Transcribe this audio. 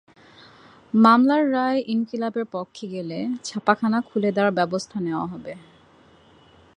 মামলার রায় ইনকিলাব-এর পক্ষে গেলে ছাপাখানা খুলে দেওয়ার ব্যবস্থা নেওয়া হবে।